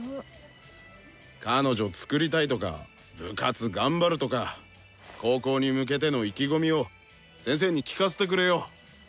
「彼女作りたい」とか「部活頑張る」とか高校に向けての意気込みを先生に聞かせてくれよ！